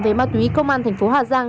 về ma túy công an thành phố hà giang